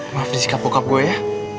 maaf disikap bokap gue ya